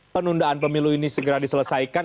penundaan pemilu ini segera diselesaikan